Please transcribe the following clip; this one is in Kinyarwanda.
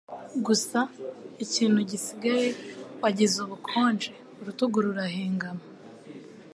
gusa ikintu gisigaye wagize ubukonje urutugu rurahengama